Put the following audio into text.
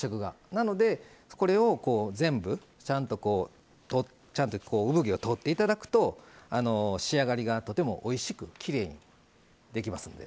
なので、これを全部ちゃんとうぶ毛を取っていただくと仕上がりがとてもおいしくきれいにできますんで。